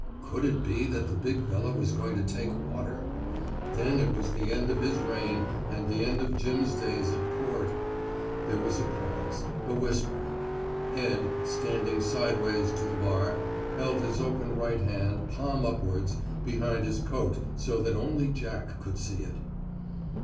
Could it be that the big fellow was going to take water? Then it was the end of his reign and the end of Jim's days at court. There was a pause, a whispering. Ed, standing sidewise to the bar, held his open right hand, palm upwards, behind his coat so that only Jack could see it.